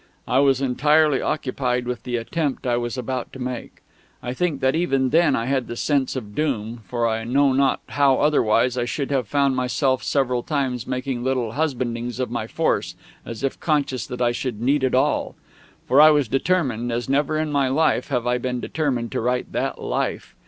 I was entirely occupied with the attempt I was about to make. I think that even then I had the sense of doom, for I know not how otherwise I should have found myself several times making little husbandings of my force, as if conscious that I should need it all. For I was determined, as never in my life have I been determined, to write that "Life."